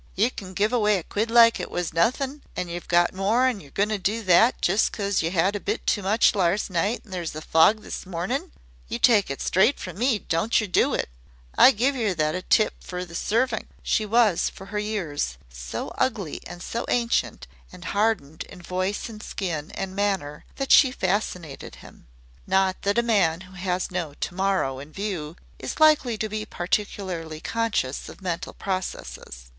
"Yer can give away a quid like it was nothin' an' yer've got more an' yer goin' to do THAT jes cos yer 'ad a bit too much lars night an' there's a fog this mornin'! You take it straight from me don't yer do it. I give yer that tip for the suvrink." She was, for her years, so ugly and so ancient, and hardened in voice and skin and manner that she fascinated him. Not that a man who has no To morrow in view is likely to be particularly conscious of mental processes.